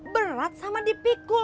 berat sama dipikul